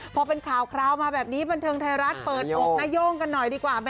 พอเป็นข่าวคราวมาแบบนี้บันเทิงไทยรัฐเปิดอกนาย่งกันหน่อยดีกว่า